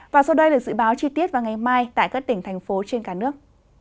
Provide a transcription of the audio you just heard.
và sau đây là dự báo chi tiết vào ngày mai tại các tỉnh thành phố trên cả nước